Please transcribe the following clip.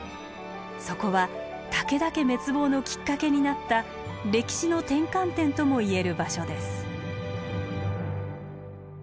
そこは武田家滅亡のきっかけになった歴史の転換点ともいえる場所です。